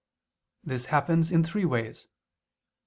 This happens in three ways.